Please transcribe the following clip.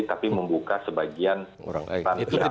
tapi membuka sebagian peran pihak lain